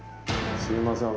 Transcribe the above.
すみません。